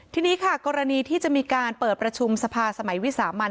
ทีนี้ค่ะกรณีที่จะมีการเปิดประชุมสภาสมัยวิสามัน